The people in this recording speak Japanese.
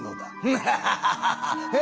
フハハハハハ！